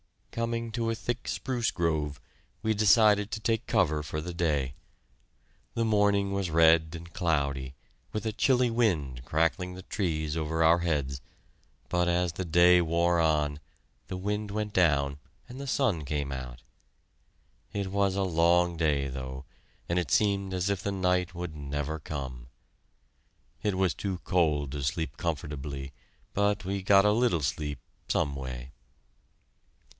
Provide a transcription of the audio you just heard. Coming to a thick spruce grove, we decided to take cover for the day. The morning was red and cloudy, with a chilly wind crackling the trees over our heads, but as the day wore on, the wind went down and the sun came out. It was a long day, though, and it seemed as if the night would never come. It was too cold to sleep comfortably, but we got a little sleep, some way.